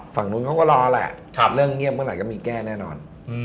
ฝั่งนู้นเขาก็รอแหละเรื่องเงียบเมื่อไหร่ก็มีแก้แน่นอน